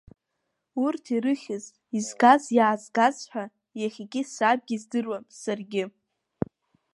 Урҭ ирыхьыз, изгаз-иаазгаз ҳәа иахьагьы сабгьы издыруам, саргьы.